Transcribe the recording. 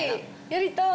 やりたい！